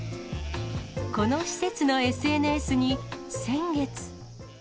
この施設のＳＮＳに、先月。